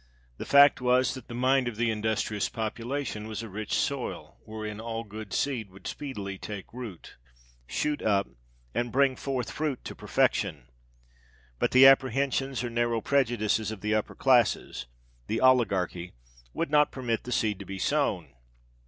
The fact was, that the mind of the industrious population was a rich soil wherein all good seed would speedily take root, shoot up, and bring forth fruit to perfection: but the apprehensions or narrow prejudices of the upper classes—the oligarchy—would not permit the seed to be sown.